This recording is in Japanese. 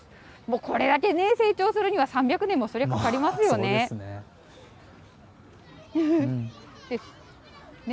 これだけ成長するには３００年もかかりますよね。